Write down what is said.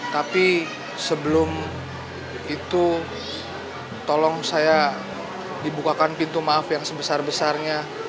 tapi sebelum itu tolong saya dibukakan pintu maaf yang sebesar besarnya